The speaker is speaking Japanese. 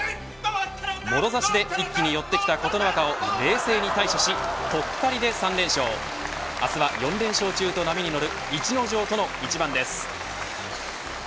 もろ差しで一気に寄ってきた琴ノ若を冷静に対処しとったりで３連勝明日は４連勝中と波に乗る逸ノ城との一番です。